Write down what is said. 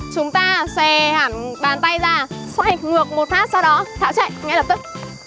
chúng ta xòe hẳn bàn tay ra xoay ngược một phát sau đó thả chạy ngay lập tức